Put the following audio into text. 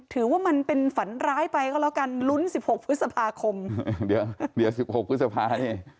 ถือว่าเป็นฝันร้ายไปก็แล้วกันลุ้น๑๖พฤษภาคมเดี๋ยว๑๖พฤษภานี่